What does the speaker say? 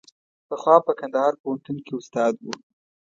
پخوا په کندهار پوهنتون کې استاد و.